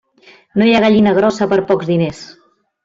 No hi ha gallina grossa per pocs diners.